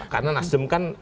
karena nasdem kan